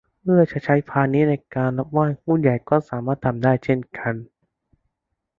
เพื่อจะใช้พานนี้ในการรับไหว้ ผู้ใหญ่ก็สามารถทำได้เช่นกัน